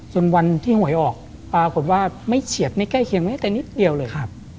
วันที่หวยออกปรากฏว่าไม่เฉียดไม่ใกล้เคียงแม้แต่นิดเดียวเลย